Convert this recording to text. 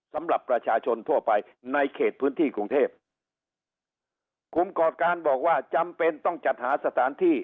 สำหรับประชาชนทั่วไปในเขตพื้นที่กรุงเทพกลุ่มก่อการบอกว่าจำเป็นต้องจัดหาสถานที่